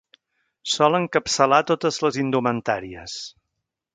Sol encapçalar totes les indumentàries.